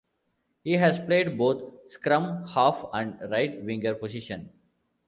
He has played both scrum-half and right-winger positions.